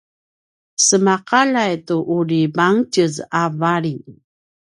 sema’aljay tu uri mangtjez a vali